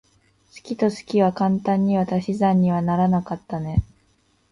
好きと好きは簡単には足し算にはならなかったね。